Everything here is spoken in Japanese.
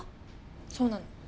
そうなの。